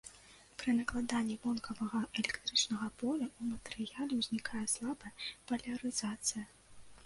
Пры накладанні вонкавага электрычнага поля ў матэрыяле ўзнікае слабая палярызацыя.